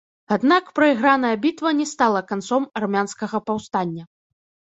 Аднак, прайграная бітва не стала канцом армянскага паўстання.